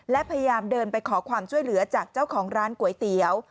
และพยายามเดินไปขอความช่วยเหลือจากเจ้าของร้านก๋วยเตี๋ยว